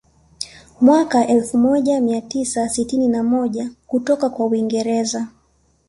Mwaka elfu moja mia tisa sitini na moja kutoka kwa Uingereza